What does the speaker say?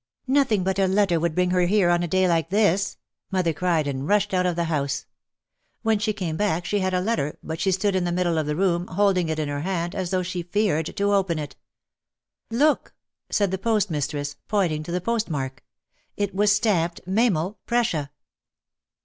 "Nothing but a let ter would bring her here on a day like this," mother cried and rushed out of the house. When she came back she OUT OF THE SHADOW 21 had a letter but she stood in the middle of the room holding it in her hand as though she feared to open it. "Look," said the post mistress, pointing to the post mark. It was stamped Memel, Prussia.